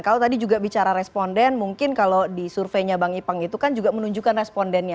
kalau tadi juga bicara responden mungkin kalau di surveinya bang ipang itu kan juga menunjukkan respondennya